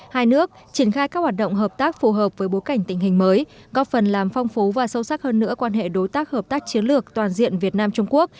hai nước triển khai các hoạt động hợp tác phù hợp với bối cảnh tình hình mới góp phần làm phong phú và sâu sắc hơn nữa quan hệ đối tác hợp tác chiến lược toàn diện việt nam trung quốc